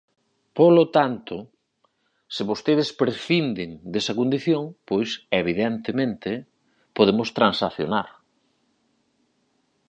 Polo tanto, se vostedes prescinden desa condición, pois, evidentemente, podemos transaccionar.